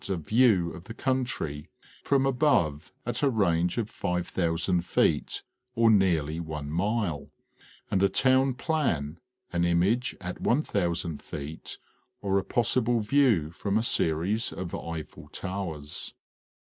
257 a view of the country from above at a range of 5,000 feet or nearly one mile, and a town plan, an image at 1,000 feet or a pos sible view from a series of Eiffel towers.